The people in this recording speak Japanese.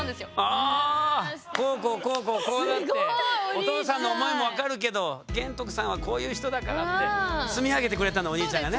「こうこうこうこうこうなってお父さんの思いも分かるけど玄徳さんはこういう人だから」って積み上げてくれたのお兄ちゃんがね。